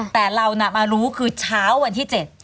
แต่เรามารู้คือเช้าวันที่๗